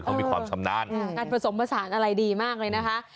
เขามีความชำนาญการผสมผสานอะไรดีมากเลยนะคะ